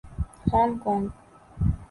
Hong Kong